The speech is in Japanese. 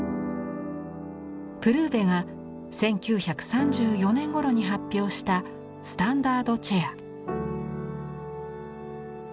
プルーヴェが１９３４年ごろに発表した「スタンダードチェア」。